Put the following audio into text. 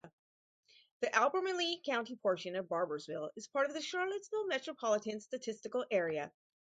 The Albemarle County portion of Barboursville is part of the Charlottesville Metropolitan Statistical Area.